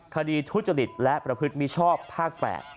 คดีทุจริตและประพฤติมิชชอบภาค๘